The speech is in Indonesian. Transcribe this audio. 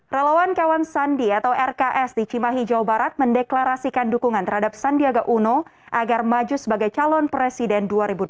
relawan kawan sandi atau rks di cimahi jawa barat mendeklarasikan dukungan terhadap sandiaga uno agar maju sebagai calon presiden dua ribu dua puluh